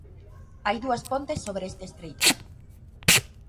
Hai dúas pontes sobre este estreito.